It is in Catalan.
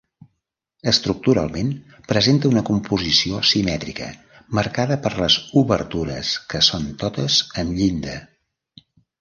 Estructuralment presenta una composició simètrica marcada per les obertures que són totes amb llinda.